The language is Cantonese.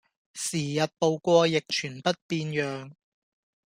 時日步過亦全不變樣